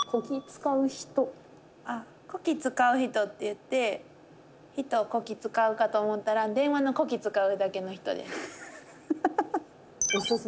「こき使うひと」っていって人をこき使うかと思ったら電話の子機使うだけの人です。